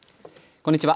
こんにちは。